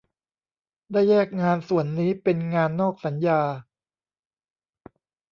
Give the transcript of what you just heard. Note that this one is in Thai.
ได้แยกงานส่วนนี้เป็นงานนอกสัญญา